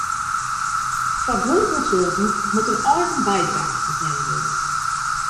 Foar guon konsulten moat in eigen bydrage betelle wurde.